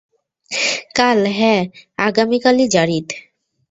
কাল হ্যাঁ, আগামীকালই যারীদ!